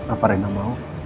apa rena mau